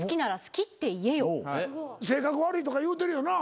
性格悪いとか言うてるよな？